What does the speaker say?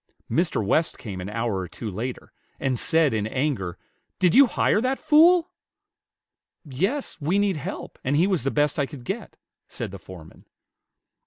Mr. West came an hour or two later, and said, in anger, "Did you hire that fool?" "Yes; we need help, and he was the best I could get," said the foreman.